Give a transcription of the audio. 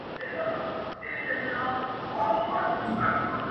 ماته يې په نيمه شپه ژړلي دي”